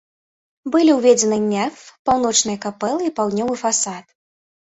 Былі ўзведзены неф, паўночныя капэлы і паўднёвы фасад.